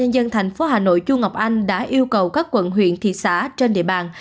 nhân dân thành phố hà nội chu ngọc anh đã yêu cầu các quận huyện thị xã trên địa bàn